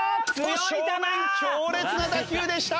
正面強烈な打球でした。